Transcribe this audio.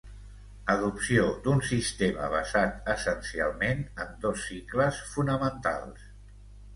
Adopció d'un sistema basat essencialment en dos cicles fonamentals